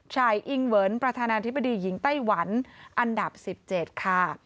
อิงเวิร์นประธานาธิบดีหญิงไต้หวันอันดับ๑๗ค่ะ